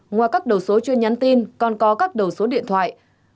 ngoài các đầu số chuyên nhắn tin còn có các đầu số điện thoại